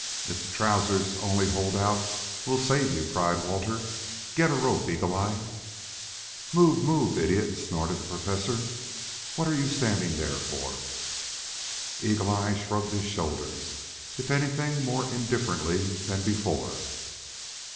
"If the trousers only hold out, we'll save you," cried Walter. "Get a rope, Eagle eye." "Move! Move, idiot!" snorted the Professor. "What are you standing there for?" Eagle eye shrugged his shoulders, if anything more indifferently than before.